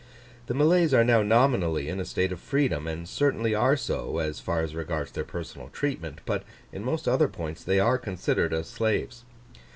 The Malays are now nominally in a state of freedom, and certainly are so, as far as regards their personal treatment; but in most other points they are considered as slaves.